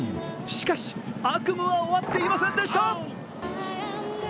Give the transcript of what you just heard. しかし、悪夢は終わっていませんでした。